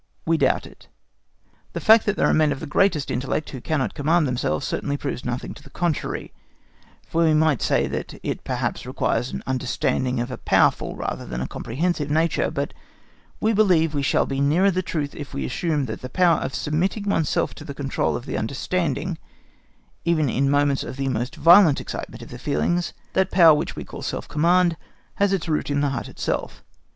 We doubt it. The fact that there are men of the greatest intellect who cannot command themselves certainly proves nothing to the contrary, for we might say that it perhaps requires an understanding of a powerful rather than of a comprehensive nature; but we believe we shall be nearer the truth if we assume that the power of submitting oneself to the control of the understanding, even in moments of the most violent excitement of the feelings, that power which we call self command, has its root in the heart itself.